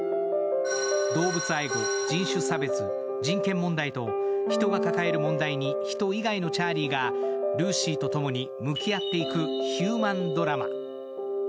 動物愛護、人種差別、人権問題と人が抱える問題に、人以外のチャーリーがルーシーとともに向き合っていくヒューマンドラマ。